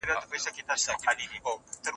دوی وويل چی د عايد وېش بايد عادلانه وي.